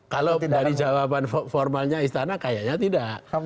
kalau dari jawaban formalnya istana kayaknya tidak